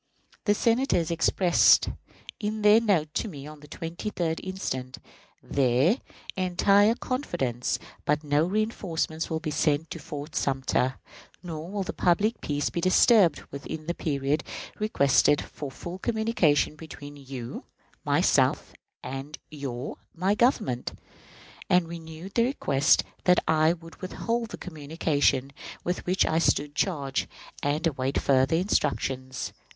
The Senators expressed, in their note to me of the 23d instant, their "entire confidence that no reënforcements will be sent to Fort Sumter, nor will the public peace be disturbed within the period requisite for full communication between you (myself) and your (my) Government"; and renewed their request that I would withhold the communication with which I stood charged, and await further instructions.